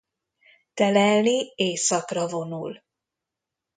Telelni északra vonul.